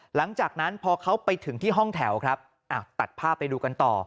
หลังจากนั้นพอเขาไปถึงที่ห้องแถวครับตัดภาพไปดูกันต่อ